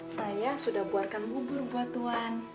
saya sudah buarkan bubur buat tuhan